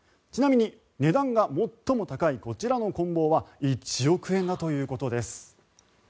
ちなみに値段が最も高いこちらのこん棒は１億円だということです。